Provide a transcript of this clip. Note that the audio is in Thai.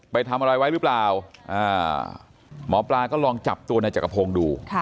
ไปทำอะไรไว้หรือเปล่าหมอปลาก็ลองจับตัวในจักรพงศ์ดู